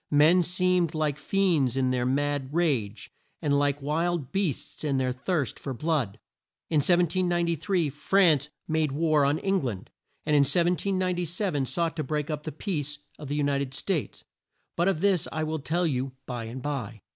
Men seemed like fiends in their mad rage, and like wild beasts in their thirst for blood. In 1793 France made war on Eng land; and in 1797 sought to break up the peace of the U ni ted States, but of this I will tell you by and by.